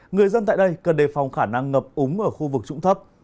người dân tại đây cần đề phòng khả năng ngập úng ở khu vực trụng thấp